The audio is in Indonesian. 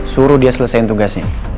suruh dia selesain tugasnya